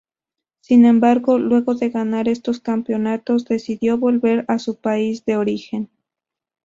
Sin embargo, luego de ganar estos campeonatos decidió volver a su país de origen.